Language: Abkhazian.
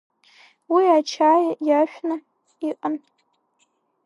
Уи ачаи иашәны иҟан.